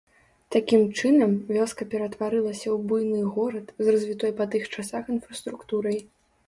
Такім чынам, вёска ператварылася ў буйны горад, з развітой па тых часах інфраструктурай.